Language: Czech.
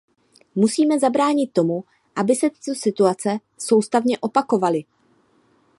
Musíme zabránit tomu, aby se tyto situace soustavně opakovaly.